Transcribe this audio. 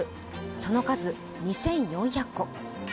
その数、２４００個。